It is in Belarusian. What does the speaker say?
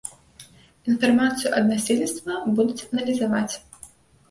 Інфармацыю ад насельніцтва будуць аналізаваць.